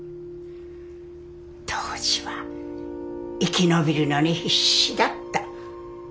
当時は生き延びるのに必死だった。